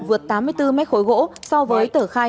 vượt tám mươi bốn m khối gỗ so với tờ khai